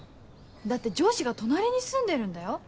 だって上司が隣に住んでるんだよ？